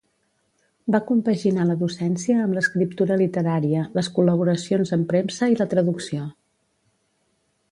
Va compaginar la docència amb l'escriptura literària, les col·laboracions en premsa i la traducció.